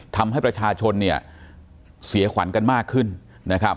ทำให้ประชาชนเนี่ยเสียขวัญกันมากขึ้นนะครับ